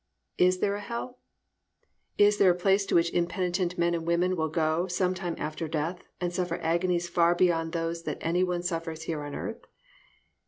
Is there a hell? Is there a place to which impenitent men and women will go some time after death and suffer agonies far beyond those that any one suffers here on earth?